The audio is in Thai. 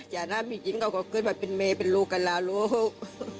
อย่าน่ามีจิ้นก็ขอขอบคุณมาเป็นเมย์เป็นลูกกันล่ะลูก